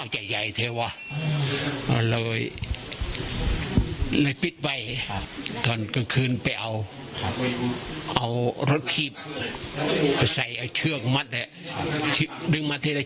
ใช่อยู่ไอซียู